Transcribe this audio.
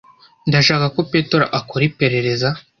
Ndashaka ko Petero akora iperereza.